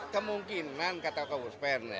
kemungkinan kata kauus pen